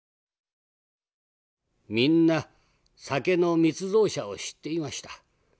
「みんな酒の密造者を知っていました。